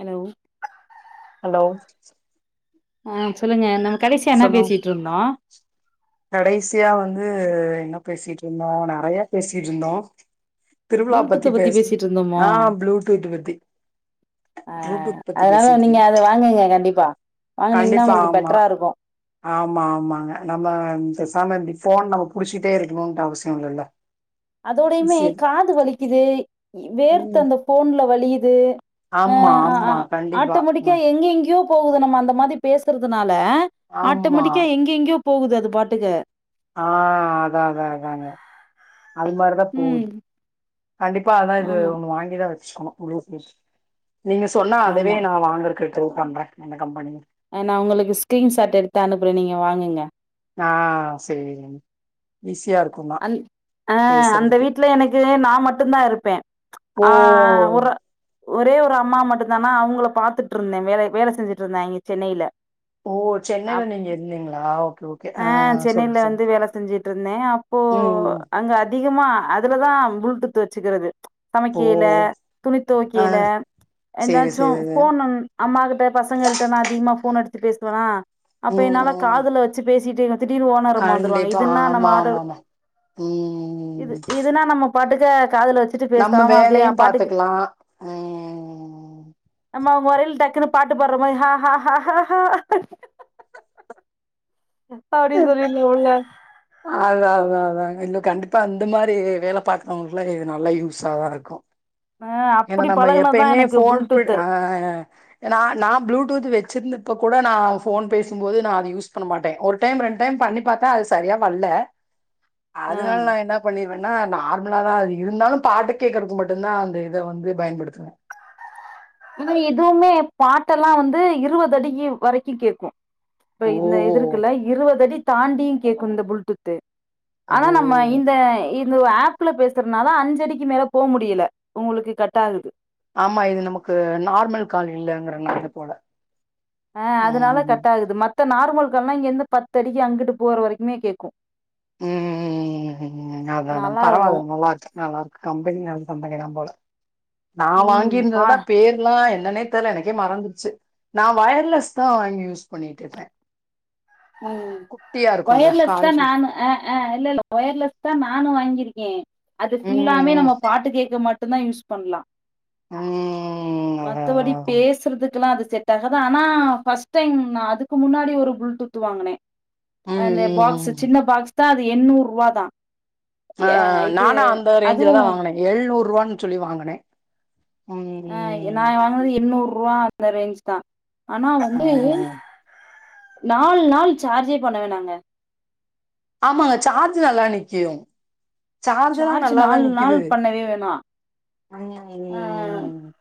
என்ன உ ஹலோ ஆ சொல்லுங்க நம்ம கடைசியா என்ன சொல்லுங் பேசிட்டு இருந்தோ கடைசியா வந்து என்ன பேசிட்டு இருந்தோ நெறையா பேசிட் இருந்தோ திருவிழா புளுடூத்த பத்தி பேசு பேசிட்டு இருந்தோமோ ஆ ப்ளூடூத் பத்தி ஆ ப்ளூடூத் பத்தி அதனால பேசிட்டு நீங்க இ அத வாங்குங்க கண்டிப்பா வாங்னீங்கன்னா உங்களுக்கு ஆமா பெட்டரா இருக்கும் ஆமா ஆமாங்க நம்ம பேசாம ஃபோன் நம்ம புடிச்சுகிட்டே இருக்கணும்ட்டு அவசியம் இல்லல அதோடையுமே காது வலிக்குது வேர்த்து ம் அந்த ஃபோன்ல வலியுது ஆ ஆமா ஆ அ ஆமா ஆட்ட கண்டிப்பா முடிக்கா ம் எங்க எங்கயோ போகுது நம்ம அந்த மாதிரி பேசுறதுனால ஆமா ஆட்டோமெட்டிக்கா எங்க எங்கயோ போகுது அது பாட்டுக்கு ஆ அதா அதா அதாங்க அது மாறி [unintelligible] ம் போது கண்டிப்பா அதா இது ஆமா வாங்கிதா வச்சு [unintelligible] ம் நீங்க சொன்னா அதவே ஆமா நா வாங்குறக்கு எதோ பண்றே என்ன கம்பெனி ஆ நா உங்களுக்கு ஸ்கிரீன் ஷாட் எடுத்து அனுப்றே நீங்க வாங்குங்க ஆ சரி ஈஸியா இருக்கும் அந் ஆ அந்த வீட்ல எனக்கு நா மட்டும் தா இருப்பே ஓ ஆ ஒரு ஒரே ஒரு அம்மா மட்டு தானா அவ்ங்ள பாத்துட்ருந்தே வேலை வேல செஞ்சுட்ருந்தாய்ங்கே சென்னைய்ல ஓ சென்னைல நீங் இருந்தீங்ளா ஓகே ஓகே ஆ சொல் சொல்லுத் செஞ்சிட்ருந்தே அப்போ அங்க அதிகமா அதுலதா ப்ளூடூத் வச்சுக்கறது ஓ சமைக்கேய்ல துணி ஆ தொவ்க்கேய்ல சேரி எதாச்சு சேரிங்க போனுன் அம்மா கிட்ட பசங்கள்ட்ட நா அதிக்மா ஃபோன் அடித்து பேஸ்த்துவேனா அப்ப ம் என்னால ம் காதுலர் ச்சி பேசிட்டு திடீர் ஓனர் அம்மா வந்துருவாங்க கண்டிப்பா இதுன்னா நம்ம ஆமா ஆமா ஆதோவ் ஆமா இது ம் ஈத் இதுன்னா நம்ம பாட்டுக்கு காதுல வச்சிட்டு நம்ம பேசாம அப்டியே வேலையு அப்பாட்டுக்கு பாத்துக்கலா ம் நம்ம அவ் வரைய்ல் டக்குன்னு பாட்டு பாட்ற மாறி ஹாஹாஹ ஹஹ பாடி சொல்லிற்னு உள்ள ஆ தா தா தாங் இன்னு கண்டிப்பா அந்த மாரி வே வேலை பாக்குறவங்களுக்குல்லா இது நல்லா யூஸாதாருக்கு ஆ ஏன்னா அப்படி நம்ப பழகுனதா எப்பய்மே எனக்கு ஃபோன் பிட் ப்ளூடூத்து ஆ எனா நா ப்ளூடூத் வெச்சிர்ந்தப்ப கூட நா ஃபோன் பேசும்போது நா அது யூஸ் பண்ண மாட்டேன் ஒரு டைம் ரெண் டைம் பண்ணி பாத்தா அது சரியா வல்ல ம் அதனால் நா என்னாப் பண்ணிர்வேன்னா நார்மலா தா அது இருந்தாலும் பாட்டு கேக்றக்கு மட்டுன்தா அந்த இத வந்து பயன்படுத்துவே இது எதூமே பாட்டெல்லா வந்து இருவது அடிக்கி வரைக்கி கேக்கு ப ஓ இந்த இதுருக்குல்ல இருவதடி தாண்டியி கேக்கு இந்த புல்டூத்து ஓ ஆனா நம்மய் இந்த இந்து ஆப்ல பேசுற்னால அஞ்சடிக்கி மேல போ முடியல உங்குளுக்கு கட் ஆகுது ஆமா இது நமக்கு நார்மல் கால் இல்லங்கறனால போல ஆ அதனால ம் கட் ஆகுது மத்த நார்மல் கால்லா இங்கெந்து பத் அடிக்கி அங்குட்டு போற் வரைக்குமே கேக்கு ம் ம் ம் ம்ம் அதாலாம் நல்லா இருக்கு பரவால்ல நம்ம வாட் நல்லார்க்கு கம்பெனி நல் கம்பெனிதா போல நா ம் பா வாங்கிர்ந்தததா பேர்லா என்னனே த்த லனக்கே மறந்துர்ச்சு நா வயர்லெஸ் தா யூஸ் பண்ணிட்டிர்ப்பே ம் இருக்குல்ல வயர்லெஸ் தா காதுக்குள் நானு ஆஆ இல்லல்ல வயர்லெஸ் தா நானு வாங்கிருக்கே அது ம் ஃபுல்லாமே ம் நம்ம பாட்டு கேக்க மட்டுன்தா யூஸ் பண்லா ம் அதா அதா மத்தவடி அதா பேசுற்துக்குல்லா அது செட் ஆஹாது ஆனா பஸ் டைம் நா அதுக்கு முன்னாடி ஒரு புள்டூத் த்துவாங்கனே ம் அந்நே பாக்ஸு ம் ம் சின்ன பாக்ஸ் தா அது எண்ணூருவா தா எ ஆ இது நானா அந்த அதுவு ரேஞ்சுல தா வாங்குனே எழ்நூருவான்னு ச்சொல்லி வாங்கனே ஆ எ நாய் வாங்குனது எண்ணூருவாபா அந்த ரேஞ்ச் தா ஆனா வந்து ம் நாலு நாள் சார்ஜே பண்ண வேனாங்க ஆமாங்க சார்ஜ் நல்லா நிக்யும் சார்ஜல்லா சார்ஜ் நல்லாதா நாலு நாள் நிக்கிது பண்ணவே வேணா ஆ [unintelligible]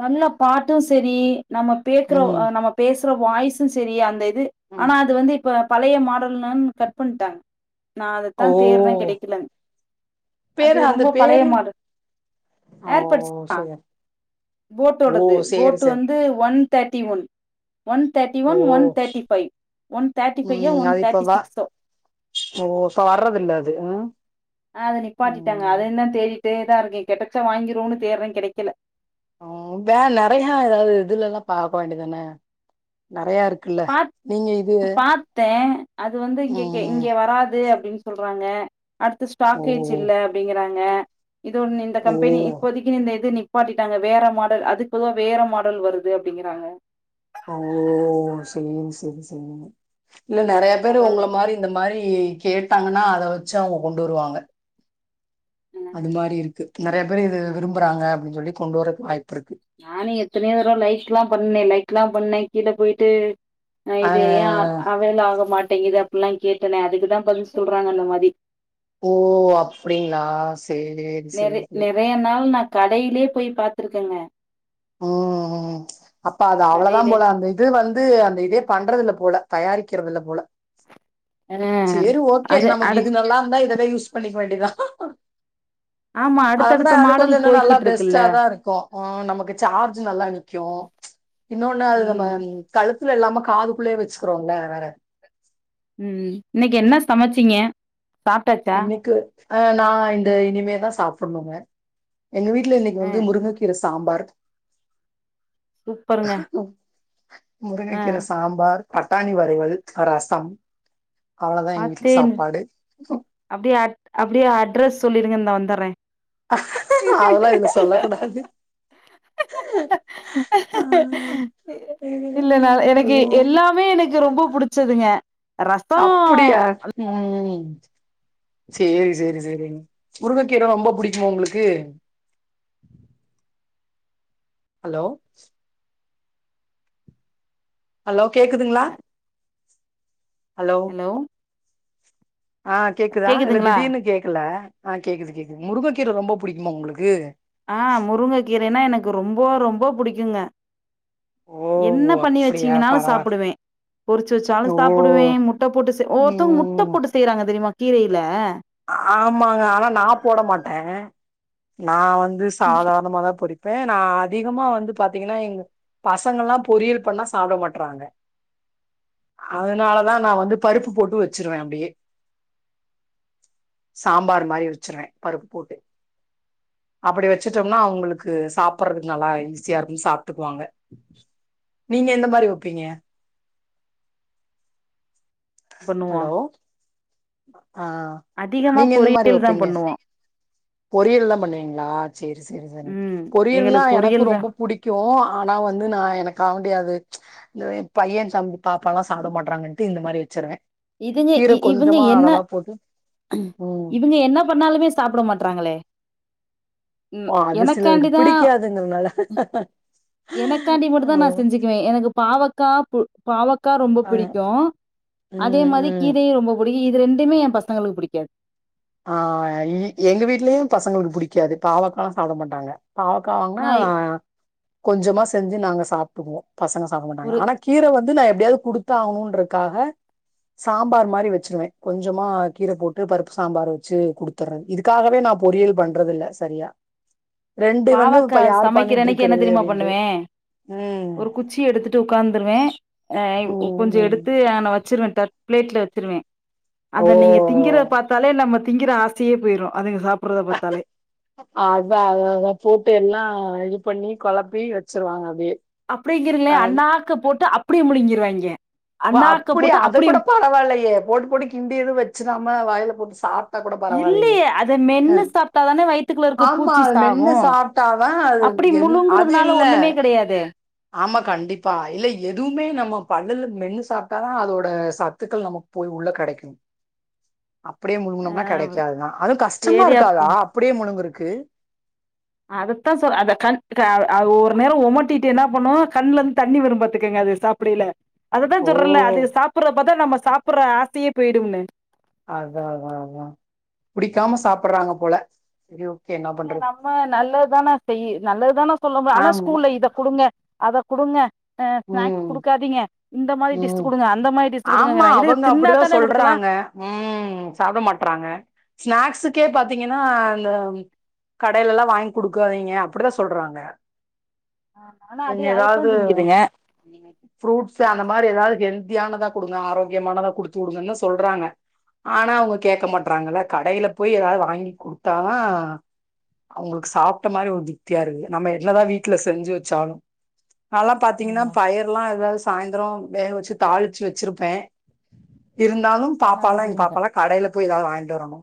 நல்ல பாட்டு சரி நம்ம பேக்குறோவ் அ ம் நம்ம பேசுற வாய்ஸு சரி அந்த இது ம் ஆனா அது வந்து இப்பு பழைய மாடல்னுன் கட் பண்ட்டாங் நா அதத்தா ஓ தேர்ரே கெடைக்கலங் அது பேரு அந்த ரொம்ப பேரு பழையமாடல் ஓ ஏற்பட்ஸ் ஆ சேரி ஓ போட்டோடது சேரி போட்டு சேரி வந்து வன் தட்டி ஒன் ஒன் தேட்டி ஒன் ஒன் ஓ தேட்டி ஃபைவ் ஒன் தாட்டி ஃபையா ம் ஒன் அது இப்ப தாட்டி வ சிக்ஸோ ஓ க்கா வர்றதில்ல அது ஆ ஆ அத நிப்பாட்டிட்டங்க அது என்ன தேடிட்டேதா இருக்கே கெடச்சா வாங்கிரோன்னு தேறே கெடைக்கல ஓ வே நறையா ஏதாவு இதுலல்லா பாக்க வேண்டிய்தான நறையாரு பாத் உபாத்தே அது வந்து இங்கக்கே ம் இங்கே வராது அப்டின்ஸ் சொல்றாங்க அடுத்து ஓ ஸ்டாக்கேஜ் இல்ல அப்பிடிங்கிறாங்க இது ஒன்னு இந்த ஓ கம்பெனி இப்போதை இந்த இது நிப்பாட்டிட்டாங்க வேற மாடல் அதுக்கு பொதுவா வேற மாடல் வருது அப்டிங்கிறாங்க ஓ சரி சரி ச இல்ல நெறைய பேரு அதனால உங்கள மாரி இந்த மாரி கேட்டாங்கன்னா அத வச்சு அவுங்க கொண்டு வருவாங்க அது அஹ், மாரி இருக்கு நெறைய பேரு இது விரும்புறாங்க அப்டின் சொல்லி கொண்டு வரதுக்கு வாய்ப்பு இருக்கு நானு எத்தனையோ தடவ லைக்லா பண்ணே லைக்லா பண்ணே கீழ போயிட்டு ஆ இது ஏ அவைல் ஆகமாட்டேங்கிது அப்பில்லா கேட்டேனே அதுக்குதா பதில் சொல்றாங்க அந்த மாரி ஓ அப்டிங்களா சேரி நெற சேரி நெறைய நாள் நா கடையிலயே போய் பாத்திருக்கேங்க ம் அப்ப அது அவ்ளோதா கடையிலே போல அது இது வந்து அந்த இதே பண்றது இல்ல போல தயாரிக்குறது இல்ல போல அ சேரி ஓகே அது நமக்கு அடு இது நல்லா இருந்தா இதவே யூஸ் பண்ணிக்க வேண்டியதா ஆமா அதுதா அடுத்தடுத்த அது கொஞ்சோ மாடல் இன்னு நல்லா போய்கிட்டு இருக்குல்ல பெஸ்டாதா இரு கொ ஆ நமக்கு சார்ஜ் நல்லா நிக்கு இன்னொன்னு அது நம்ம ம் கழுத்துல இல்லாம காதுக்குள்ளயே வெச்சுக்கிறோன்ல வேற ம் இன்னைக்கு என்ன சமச்சீங்க சாப்ட்டாச்சா இன்னைக்கு அ நா இந்த இனிமே தா சாப்டனுங்க எங்க வீட்ல இன்னைக்கு அ வந்து முருங்கைக் கீர சாம்பார் சூப்பருங்க ம் அ முருங்கக்கீர சாம்பார் பட்டாணி வரைவல் ரசம் அவ்ளோதா எங்க வீட்டுல பாத்தேன் சாப்பாடு அப்டியே அட் அப்டியே அட்ரஸ் சொல்லிருங்க இந்தா வந்தறே அதெல்லா இதுல சொல்ல கூடாது இல்லைன்னா எனக்கு எல்லாமே எனக்கு ரொம்ப புடு ச்சதுங்க அப்புடியா ம் சேரி சேரி சேரி முருங்கக்கீர ரொம்ப புடிக்குமா ஒங்களுக்கு ஹலோ ஹலோ கேக்குதுங்களா ஹலோ ஆ கேக்குதா இல்ல கேக்குதுங்களா திடீர்னு கேக்கல ஆ கேக்குது கேக்குது முருங்கக்கீரை ரொம்ப புடிக்குமோ ஒங்களுக்கு ஆ முருங்க கீரைனா எனக்கு ரொம்போ ரொம்ப புடிக்குங்க ஓ என்ன பண்ணி அப்படியா வச்சீங்கனாலு பரவால்ல சாப்பிடுவே பொறுச்சு வச்சாலு ஓ சாப்பிடுவே முட்ட போட்டு செ ஒவ்வோருத்தவுங்க முட்ட ம் போட்டு செய்யுறாங்க தெரியுமா கீரையில ஆமாங்க ஆனா நா போட மாட்டே நா வந்து சாதாரணமா தா பொறி ப்பே நா அதிகமா வந்து பாத்தீங்கன்னா எங்க பசங்க எல்லா பொறியல் பண்ணா சாப்பிட மாட்றாங்க அதுனால தா நா வந்து பருப்பு போட்டு வச்சிருவே அப்டியே சாம்பார் மாரி வச்சுருவே பருப்பு போட்டு அப்டி வச்சுட்டோம்னா அவுங்களுக்கு சாப்பிடுறதுக்கு நல்லா ஈஸியா இருக்கு சாப்பிட்டுக்குவாங்க நீங்க எந்த மாரி வப்பீங்க பண்ணுவோ ஹலோ ஆ அதிகமா நீங்க எந்த மாரி பொரியல் தா வப்பீங்க பண்ணுவோ பொறியல் தா பண்ணுவீங்களா சேரி சேரி சே ம் பொறியல்லா எங்களுக்கு எனக்கு பொரியல் தா ரொம்ப புடி க்கு ஆனா வந்து நா எனக்கு ஆவன்டி அது இந்த எ பையன் சாப் பாப்பாலா சாப்ட மாட்றாங்கன்ட்டு இந்த மாதிரி வச்சுருவே இதுங்க இவங்க என்ன ம் இவங்க என்ன பண்ணாலுமே சாப்பிட மாட்டுறாங்களே ம் எனக்காண்டிதான் அதுங்க நாள எனக்காண்டி மட்டுந்தா நான் செஞ்சுக்குவேன் எனக்கு பாவக்கா பு பாவக்கா ரொம்ப ஆ பிடிக்கும் அதே ம் மாதிரி ம் கீரையும் ரொம்ப பிடி இது ரெண்டுமே என் பசங்களுக்கு பிடிக்காது ஆஹ எங்க வீட்லயும் பசங்களுக்கு பிடிக்காது பாவக்கல்லாம் சாப்பிட மாட்டாங்க பாவக்கா வாங்கன்னா நா கொஞ்சமா செஞ்சு நாங்க சாப்பிட்டுவோம் பசங்க சாப்பிட மாட்டாங்க ஒரு ஆனா கீரை வந்து நா எப்படியாவது கொடுத்தாகணுன்றக்காக சாம்பார் மாதிரி வச்சுிருவேன் கொஞ்சமா கீரை போட்டு பருப்பு சாம்பார் வச்சு குடுத்துடுறது இதுக்காகவே நான் பொறியல் பண்றது இல்ல சரியா ரெண்டு வந்து பாவக்கா இப்ப யார் சமைக்கிற அன்னைக்கு என்ன பண்ணிட்டுருக்கிறது தெரியுமா அப்படின்ட்டு பண்ணுவே ஒரு குச்சி எடுத்துட்டு உட்காந்துருவேன் ம் கொஞ்சம் ம் எடுத்து ஆனை வச்சுருவேன் பிளேட்ல வச்சிருவேன் ஓ அத நீங்க திங்கறத பாத்தாலே நம்ம திங்குற ஆசையே போயிடும் அதுங்க சா சாப்பட்றத பாத்தாலே அதா அத அத போட்டு எல்லா இது பண்ணி கொழப்பி வச்சிருவாங்க அப்டியே அப்டிங்கிறீங்களே அ அன்னாக்கு போட்டு அப்டியே முழுங்கிருவாய்ங்க ஓ அண்ணாக்க அப்படியா போட்டு அத அப்டியே கூட பரவாயில்லயே போட் போட் கிண்டி எது வச்சிதா வாயில போட் சாப்ட்டு அது கூட பரவால்லயே இல்லையே அத மென்னு சாப்ட்டாதானே வயித்துக்குள்ள இருக்க பூச்சி சாகு தாவா அது அப்டி எந் அது முழுங்குறதுனால இல்ல ஒண்ணுமே கெடையாது ஆமா கண்டிப்பா இல்ல எதுவுமே நம்ம பல்லுல மென்னு சாப்பிட்டாதா அதோட சத்துக்கள் நமக் போய் உள்ள கெடைக்கூ [inaudible] அப்டியே முழுங்குனம்னா கிடைக்காது தா ஆனா கஷ்டமா சேரி அப் இருக்காதா அப்படியே முழுங்குருக்கு அததுத்தா சொன் அத கண் கா ஒரு நேரம் உமட்டிட்டு என்ன பண்ணுவோ கண்ல இருந்து தண்ணி வெரும் பாத்துங்க அது சாப்பிடல அததா ஓ சொல்லுறல அது சாப்பிடற பாத்த நம்ம சாப்பிடுற ஆசையே போயிடும்னு அதா அதா அதா புடிக்காம சாப்பிட்றாங்க போல சரி ஓகே நாம் நம்ம நல்லது தானே செய் நல்லது தானே சொல்லுவே ஆனா ஆமா ஸ்கூல்ல இத கொடுங்க அத கொடுங்க ஆ ஸ்நாக்ஸ் உம் கொடுக்காதீங்க இந்த மாதிரி உம் டிஷ் கொடுங்க அந்த மாதிரி டிஷ் ஆமா குடுங்கங்கரா இது அவங்க அப்படிதான் தின்னாத்தான குடுக்கலா சொல்றாங்க ம் சாப்பிட மாட்றாங்க ஸ்நாக்ஸக்கே பாத்தீங்கன்னா இந்த கடையில லெல்லா வாங்கி கொடுக்காதீங்க அப்படித்தா சொல்றாங்க ஆனா அது அதத்தா ஏதாவது திங்குதுங்க நினைத் ஃப்ரூட்ஸ் அந்த மாரி ஏதாவது ஹெல்தியானதா குடுங்க ஆரோக்கியமானதா குடுத்து உடுங்கன்னு சொல்றாங்க ஆனா அவங்க கேக்க மாட்டறாங்க இல்ல கடையில போயி ஏதாவது வாங்கி கொடுத்தா தா அவங்களுக்கு சாப்ட்ட மாரி ஒரு திர்ப்தியா இருக்கு நம்ம என்னதா வீட்ல செஞ்சு வெச்சாலு நல்லா பாத் பார்த்தீங்ன்னா ஆமா பயிர்ல்லா ஏதாவது சாய்ந்திரோ வேக வச்சு தாளிச்சு வச்சிருப்பே இருந்தாலூ ஆனா அதெல்லா பாப்பாலா திங்க எங் மாட்டே பாப்பால்லா கடையில போயி ஏதாவது வாங்கிட்டு வரனோ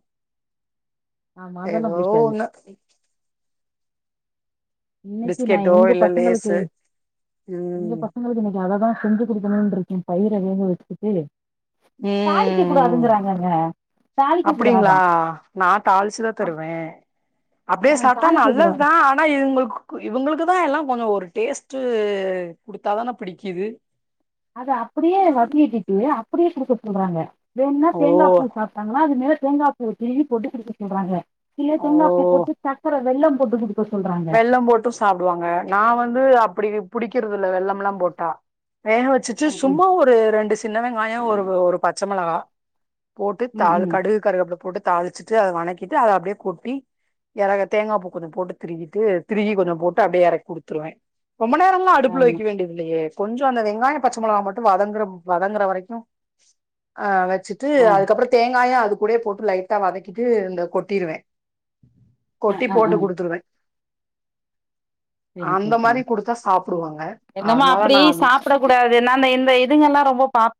ஆமா அதெல்லா ஏதோ புடிக்காது ஒன்னு இன்னைக்கு நா பிஸ்கெட்டோ எங்க இல்ல பசங்களுக்கு லேஸு எங்க ம் பசங்களுக்கு இன்னைக்கு அததான் செஞ்சு குடுக்கணுன்ருக்கே பயிர் வகைகளு எடுத்துட்டு ம் அப்டிங்களா நா தாளிச்சுதா அப் தருவே அப்டியே அஹ் சாப்ட்டா தாளிக்க நல்லது கூடாது தா ஆனா இவுங்களுக்கு இவுங்குளுக்கு தா எல்லா கொஞ்சொ ஒரு டேஸ்ட்டு கொடுத்தாதானே பிடிக்குது அத அப்டியே வகி கிட்டு அப்படியே கொடுக்க சொல்றாங்க வேண்ணா ஓ தேங்கா பூ சாப்ட்டாங்களா அது மேல தேங்கா பூ தூருவி போட்டு கொடுக்க சொல்றாங்க இல்ல ஓ தேங்காய் பூ போட்டு சக்கர வெள்ளம் போட்டு குடுக் வெள்ளம் போட்டு சாப்பிடுவாங்க நா வந்து அப்படியே பிடிக்கிறது இல்ல வெள்ளம்லா போட்டா வேகவச்சு ம், சும்மா ஒரு ரெண்டு சின்ன வெங்காயம் ஒரு ஒரு பச்ச மிளகா போட்டு ம், ம், தால் ம். கடுவ் கருவேப்பில போட்டு தாளிச்சுட்டு அத வனக்கிட்டு அதை அப்படியே கொட்டி எறக்க தேங்கா பூ போட்டுக்கனூ திருகிட்டு திரிகி கொஞ்சொ போட்டு அப்பிடியே எறக் குடுத்திரூவேன் ரொம்ப நேரம்லா அடுப்புல ஆமா வைக்க வேண்டியது இல்லயே கொஞ்சோ அந்த வெங்காயோ பச்ச மிளகாய் மட்டூ வதங்கிற வதங்குற வரைக்கூ ஆ வெச்சு இட்டு ஆ அதுக் அப்புறோ தேங்காயூ அதுக் கூட போட்டு லைட்டா வதக்கிட்டு இந்த கொட்டிருவே ஆ கொட்டி ஆ ஆ. போட்டு குடுத்துருவே சரி அந்த சரி சரி மாதிரி கொடுத்தா சாப்பிடுவாங்க அதனால நாம் கூடா இது நானு இந்த இதுங்க எல்லாம் ரொம்ப பாக்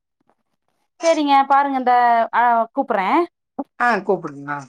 சேரிங்க பாருங்க அந்த அ கூப்பிற்றே ஆ கூப்பிடுங்க ஆ